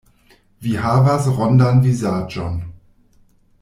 Vi havas rondan vizaĝon.